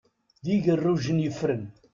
D igerrujen yeffren.